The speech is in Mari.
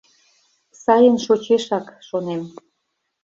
Сайын шочешак, шонем.